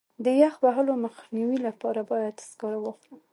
د یخ وهلو مخنیوي لپاره باید سکاره واخلم.